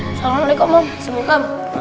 assalamu'alaikum om semoga